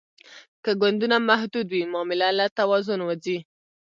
که ګوندونه محدود وي معامله له توازن وځي